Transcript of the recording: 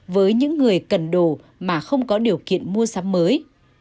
với những người cần đồ mà không có điều kiện mua sắm mới